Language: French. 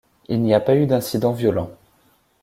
Il n'y a pas eu d'incidents violents.